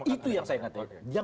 itu yang saya katakan